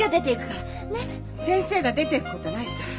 先生が出ていくことはないさ。